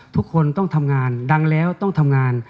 ทุกคนต้องทำงานดังแล้วต้องทำงาน